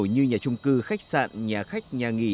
như nhà trung cư khách sạn nhà khách nhà nghỉ